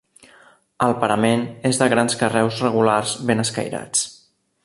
El parament és de grans carreus regulars ben escairats.